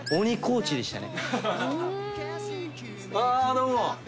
どうも。